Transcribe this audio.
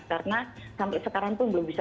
karena sampai sekarang pun belum bisa